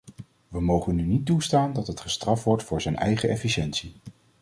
We mogen nu niet toestaan dat het gestraft wordt voor zijn eigen efficiëntie.